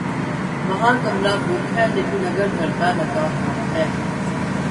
وہاں کمرہ بک ہے لیکن اگر دھڑکا لگا ہوا ہے۔